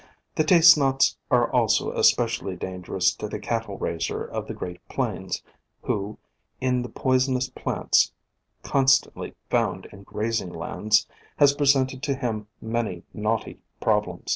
The Taste Nots are also espe cially dangerous to the cattle raiser of the Great Plains, who, in the poisonous plants constantly found in grazing lands, has presented to him many knotty problems.